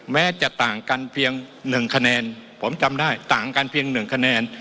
แม้จะต่างกันเพียง๑คะแนนผมจำได้ต่างกันเพียง๑คะแนน